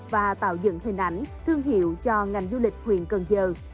và tạo dựng hình ảnh thương hiệu cho ngành du lịch huyện cần giờ